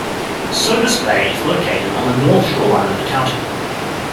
Sodus Bay is located on the north shoreline of the county.